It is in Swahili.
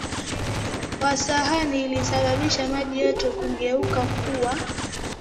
wa sahani ilisababisha maji yote kugeuka kuwa